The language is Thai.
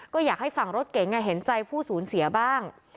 ก็อยากให้ฝั่งรถเก๋งเห็นใจผู้สูญเสียบ้าง